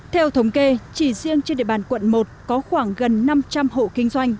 theo thống kê chỉ riêng trên địa bàn quận một có khoảng gần năm trăm linh hộ kinh doanh